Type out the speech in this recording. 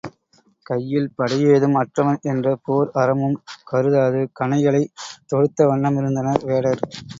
கையில் படையேதும் அற்றவன் என்ற போர் அறமும் கருதாது கணைகளைத் தொடுத்தவண்ணமிருந்தனர் வேடர்.